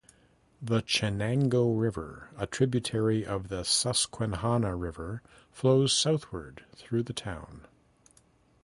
The Chenango River, a tributary of the Susquehanna River, flows southward through the town.